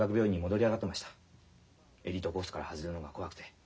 エリートコースから外れるのが怖くて。